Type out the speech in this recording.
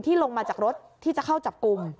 ลงมาจากรถที่จะเข้าจับกลุ่ม